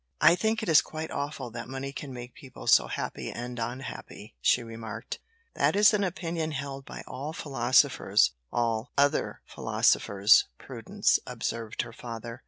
"I think it is quite awful that money can make people so happy and unhappy," she remarked. "That is an opinion held by all philosophers all other philosophers, Prudence," observed her father.